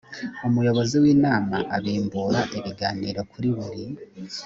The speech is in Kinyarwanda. umuyobozi w inama abimbura ibiganiro kuri buri